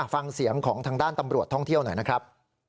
ฟังเสียงของทางด้านตำรวจท่องเที่ยวหน่อยนะครับ